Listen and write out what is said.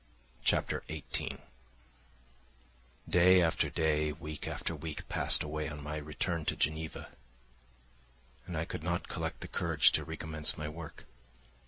Chapter 18 Day after day, week after week, passed away on my return to Geneva; and I could not collect the courage to recommence my work.